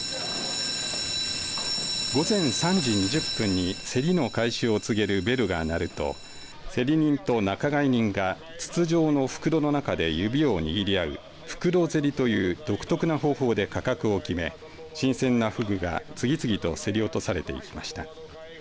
午前３時２０分に競りの開始を告げるベルが鳴ると競り人と仲買人が筒状の袋の中で指を握り合う袋競りという独特な方向で価格を決め、新鮮なフグが次々と競り落とされていきました。